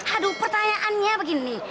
aduh pertanyaannya begini